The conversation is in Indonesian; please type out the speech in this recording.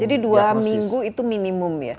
jadi dua minggu itu minimum ya